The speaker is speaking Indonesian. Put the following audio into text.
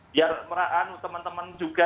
biar meraan teman teman juga